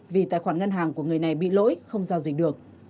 vì tài khoản ngân hàng của người này bị lỗi không giao dịch được